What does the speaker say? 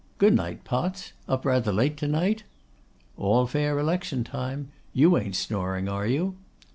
Good night, Potts. Up rather late to night?' 'All fair election time. You ain't snoring, are you?